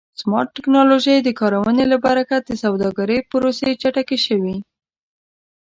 د سمارټ ټکنالوژۍ د کارونې له برکت د سوداګرۍ پروسې چټکې شوې.